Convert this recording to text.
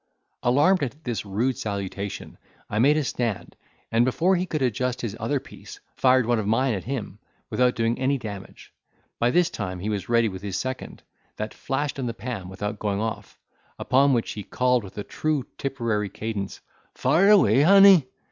Alarmed at this rude salutation, I made a stand, and, before he could adjust his other piece, fired one of mine at him, without doing any damage, By this time he was ready with his second, that flashed in the pan without going off; upon which he called, with a true Tipperary cadence, "Fire away, honey!"